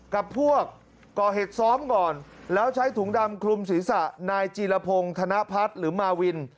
กับพวกก่อเหตุซ้อมก่อนแล้วใช้ถุงดำคลุมศีรษะนายจีรพงศ์ธนพัฒน์หรือมาวิน